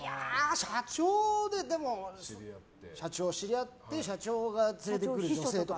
社長と知り合って社長が連れてくる女性とか？